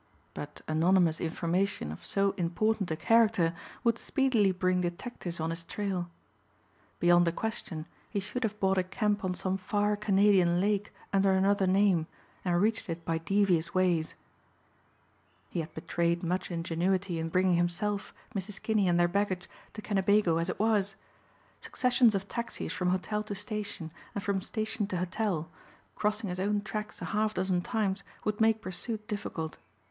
But anonymous information of so important a character would speedily bring detectives on his trail. Beyond a question he should have bought a camp on some far Canadian lake under another name, and reached it by devious ways. He had betrayed much ingenuity in bringing himself, Mrs. Kinney and their baggage, to Kennebago as it was. Successions of taxis from hotel to station, and from station to hotel, crossing his own tracks a half dozen times would make pursuit difficult.